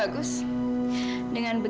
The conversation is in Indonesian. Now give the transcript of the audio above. lu hitung aku e